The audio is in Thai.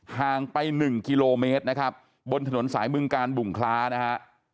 ห่างไป๑กิโลเมตรนะครับบนถนนสายบึงการบุงคล้านะฮะ